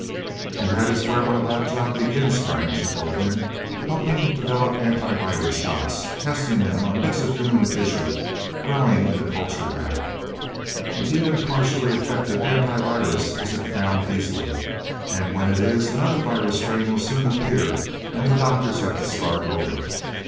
"And that is where my lab job begins, Frank," she told him. "Helping develop anti virus shots testing them on bits of human tissue, growing in a culture bath. An even partially effective anti virus isn't found easily. And when it is, another virus strain will soon appear, and the doctors have to start over...